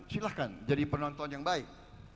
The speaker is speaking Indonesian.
silahkan jadi penonton yang baik